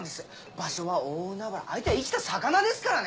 場所は大海原相手は生きた魚ですからね。